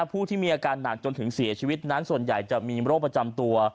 ผู้ที่มีอาการหนักจนถึงเสียชีวิตนั้นส่วนใหญ่จะมีโรคประจำตัว